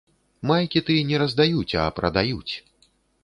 Майкі ты не раздаюць, а прадаюць.